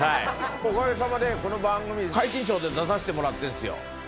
おかげさまでこの番組、皆勤賞で出させてもらってるんですよ。